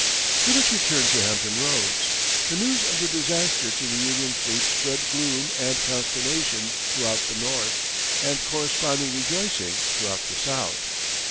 Let us return to Hampton Roads. The news of the disaster to the Union fleet spread gloom and consternation throughout the North, and corresponding rejoicing throughout the South.